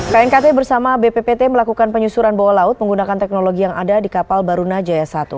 knkt bersama bppt melakukan penyusuran bawah laut menggunakan teknologi yang ada di kapal barunajaya satu